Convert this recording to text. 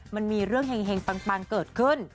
มันมีเรื่องเห็งปังเกิดขึ้น